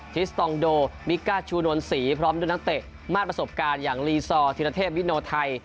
ทิสตองโดมิก้าชูนวลศรีพร้อมด้วยนักเตะมาสประสบการณ์อย่างลีซอร์ธิรเทพวิโนไทย